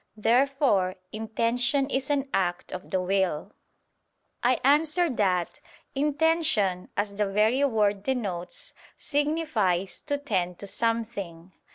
Therefore intention is an act of the will. I answer that, Intention, as the very word denotes, signifies, "to tend to something."